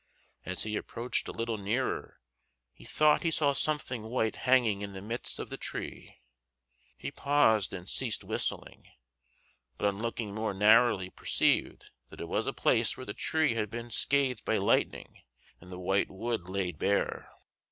As he approached a little nearer he thought he saw something white hanging in the midst of the tree: he paused and ceased whistling, but on looking more narrowly perceived that it was a place where the tree had been scathed by lightning and the white wood laid bare.